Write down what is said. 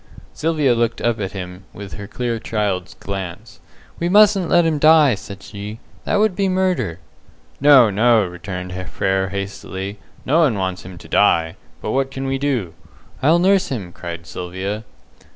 Sylvia looked up at him with her clear child's glance. "We mustn't let him die," said she. "That would be murder." "No, no," returned Frere, hastily, "no one wants him to die. But what can we do?" "I'll nurse him!" cried Sylvia.